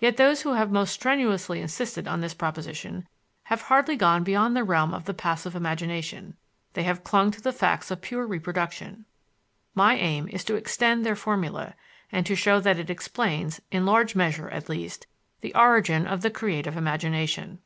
Yet those who have most strenuously insisted on this proposition have hardly gone beyond the realm of the passive imagination; they have clung to facts of pure reproduction. My aim is to extend their formula, and to show that it explains, in large measure at least, the origin of the creative imagination.